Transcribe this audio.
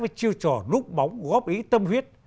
với chiêu trò nút bóng góp ý tâm huyết